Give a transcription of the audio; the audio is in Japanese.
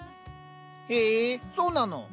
へえそうなの？